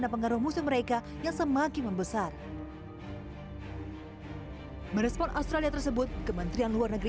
dan pengaruh musim mereka yang semakin membesar berespon australia tersebut kementerian luar negeri